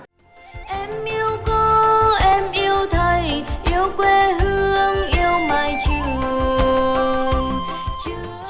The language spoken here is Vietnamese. em yêu cô em yêu thầy yêu quê hương yêu mài trường